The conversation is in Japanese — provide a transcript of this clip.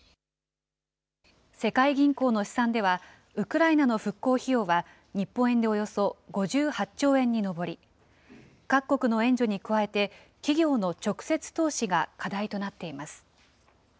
世界銀行の試算では、ウクライナの復興費用は日本円でおよそ５８兆円に上り、各国の援助に加えて、企業の直接投資が課題となっています。